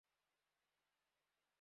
এবং শেষে, তুমি হবে দুষ্টু একটা মেয়ে।